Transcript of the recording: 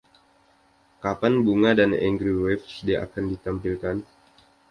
Kapan Bunga dan Angry Waves akan ditampilkan?